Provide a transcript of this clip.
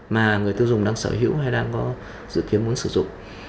mà người tiêu dùng đang sở hữu hay đang có dự kiến muốn sử dụng